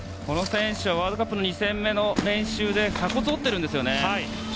この選手はワールドカップの２戦目の練習で鎖骨を折っているんですね。